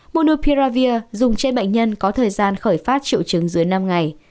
monopia dùng trên bệnh nhân có thời gian khởi phát triệu chứng dưới năm ngày